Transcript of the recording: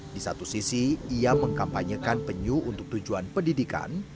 di satu sisi ia mengkampanyekan penyu untuk tujuan pendidikan